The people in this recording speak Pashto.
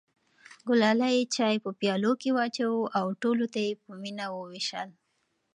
ګلالۍ چای په پیالو کې واچوه او ټولو ته یې په مینه وویشل.